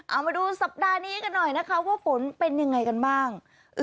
เอามาดูสัปดาห์นี้กันหน่อยนะคะว่าฝนเป็นยังไงกันบ้าง